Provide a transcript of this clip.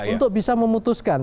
untuk bisa memutuskan